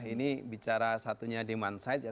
ini bicara satunya demand side ya